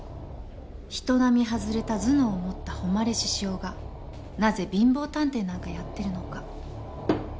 人並み外れた頭脳を持った誉獅子雄がなぜ貧乏探偵なんかやってるのか。